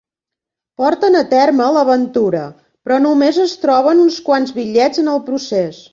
Porten a terme l'aventura, però només es troben uns quants bitllets en el procés.